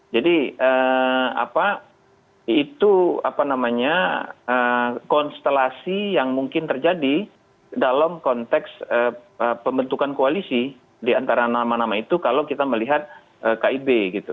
jadi itu konstelasi yang mungkin terjadi dalam konteks pembentukan koalisi di antara nama nama itu kalau kita melihat kib